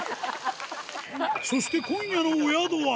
そして今夜のお宿は。